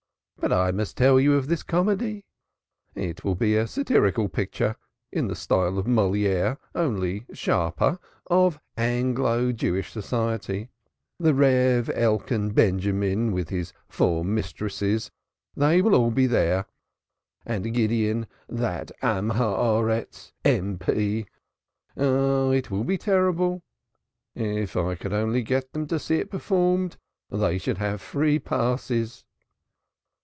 "But I must tell you of this comedy it will be a satirical picture (in the style of Molière, only sharper) of Anglo Jewish Society. The Rev. Elkan Benjamin, with his four mistresses, they will all be there, and Gideon, the Man of the Earth, M.P., ah, it will be terrible. If I could only get them to see it performed, they should have free passes."